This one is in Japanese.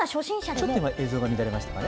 ちょっと待って、映像が乱れましたね。